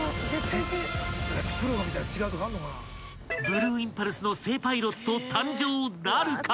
［ブルーインパルスの正パイロット誕生なるか⁉］